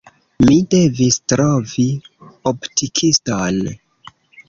Mi devis trovi optikiston.